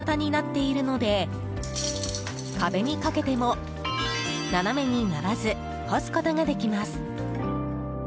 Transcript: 半月型になっているので壁にかけても斜めにならず干すことができます。